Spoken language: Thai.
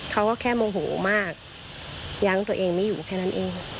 เขาก็แค่โมโหมากยั้งตัวเองไม่อยู่แค่นั้นเอง